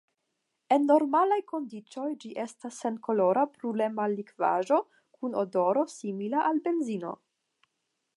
En normalaj kondiĉoj ĝi estas senkolora brulema likvaĵo kun odoro simila al benzino.